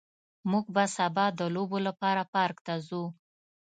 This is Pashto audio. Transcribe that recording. موږ به سبا د لوبو لپاره پارک ته ځو